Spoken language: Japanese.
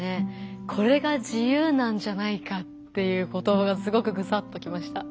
「これが自由なんじゃないか」という言葉がすごくグサッときました。